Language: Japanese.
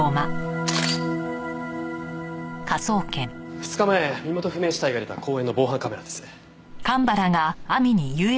２日前身元不明死体が出た公園の防犯カメラです。